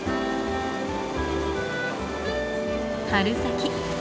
春先。